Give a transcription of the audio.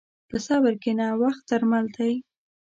په صبر کښېنه، وخت درمل دی.